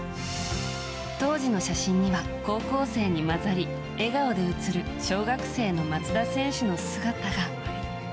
当時の写真には高校生に混ざり笑顔で写る小学生の松田選手の姿が。